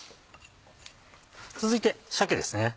続いて鮭ですね。